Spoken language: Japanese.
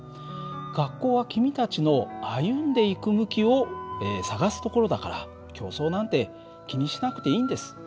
学校は君たちの歩んでいく向きを探すところだから競争なんて気にしなくていいんです。